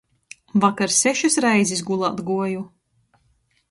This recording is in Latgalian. Vakar sešis reizis gulēt guoju...